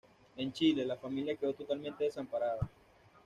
En Chile, la familia quedó totalmente desamparada.